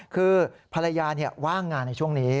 คือภรรยาว่างงานในช่วงนี้